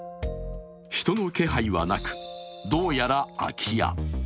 人の気配はなく、どうやら空き家。